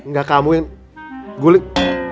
tidak kamu yang guling